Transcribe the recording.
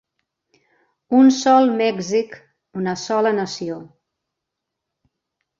Un sol Mèxic, una sola nació.